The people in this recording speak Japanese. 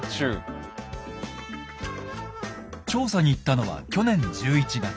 調査に行ったのは去年１１月。